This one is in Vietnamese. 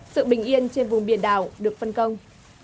sự bình yên trên vùng biển đảo được phân công